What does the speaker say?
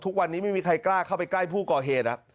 ทุกวันนี้ไม่มีใครกล้าเข้าไปใกล้ผู้ก่อเหตุ